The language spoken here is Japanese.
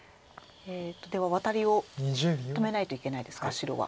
ではワタリを止めないといけないですか白は。